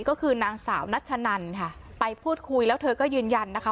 ก็คือนางสาวนัชนันค่ะไปพูดคุยแล้วเธอก็ยืนยันนะคะ